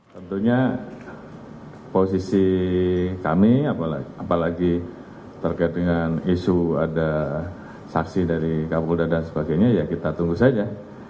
jadi kami apalagi terkait dengan isu ada saksi dari kapolda dan sebagainya ya kita tunggu saja